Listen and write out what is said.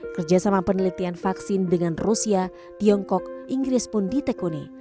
kerjasama penelitian vaksin dengan rusia tiongkok inggris pun ditekuni